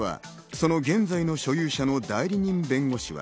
その現在の所有者の代理人弁護士は。